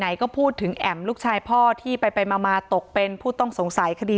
ก็พูดถึงแอ๋มลูกชายพ่อที่ไปมาตกเป็นผู้ต้องสงสัยคดี